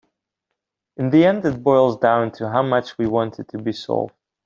In the end it boils down to how much we want it to be solved.